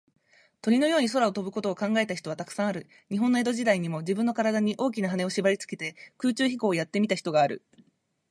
鳥のように空を飛ぶことを考えた人は、たくさんある。日本の江戸時代にも、じぶんのからだに、大きなはねをしばりつけて、空中飛行をやってみた人がある。